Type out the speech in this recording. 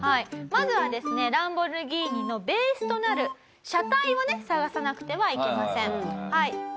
まずはですねランボルギーニのベースとなる車体をね探さなくてはいけません。